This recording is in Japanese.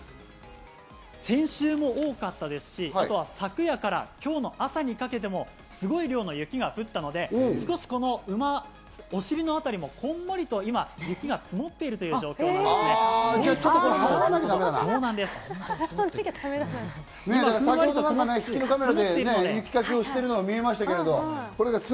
先週も多かったですし、あとは昨夜から今日の朝にかけても、すごい量の雪が降ったので少し、この今、お尻のあたりもこんもりと今、雪が積もってるという状況なんでこれ、払わなきゃだめだな。